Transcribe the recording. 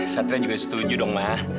satria juga setuju dong mah